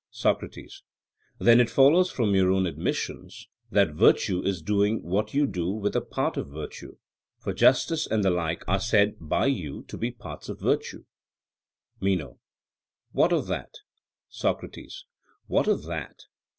SOCRATES: Then it follows from your own admissions, that virtue is doing what you do with a part of virtue; for justice and the like are said by you to be parts of virtue. MENO: What of that? SOCRATES: What of that!